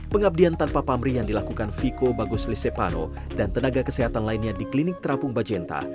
pengabdian tanpa pamrih yang dilakukan viko baguslisepano dan tenaga kesehatan lainnya di klinik terapung bajenta